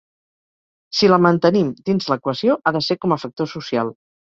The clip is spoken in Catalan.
Si la mantenim dins l’equació, ha de ser com a factor social.